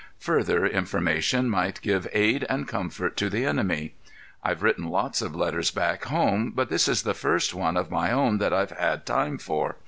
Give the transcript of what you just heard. Further information might give aid and comfort to the enemy. I've written lots of letters back home, but this is the first one of my own that I've had time for.